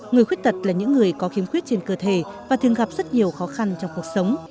người khuyết tật là những người có khiếm khuyết trên cơ thể và thường gặp rất nhiều khó khăn trong cuộc sống